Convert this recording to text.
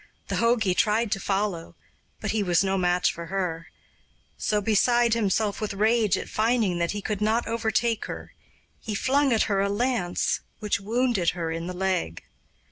The jogi tried to follow, but he was no match for her; so, beside himself with rage at finding that he could not overtake her, he flung at her a lance, which wounded her in the leg.